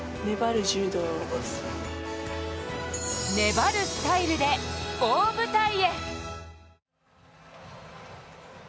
粘るスタイルで大舞台へ。